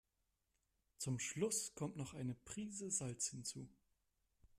Zum Schluss kommt noch eine Prise Salz hinzu.